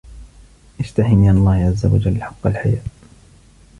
اسْتَحِ مِنْ اللَّهِ عَزَّ وَجَلَّ حَقَّ الْحَيَاءِ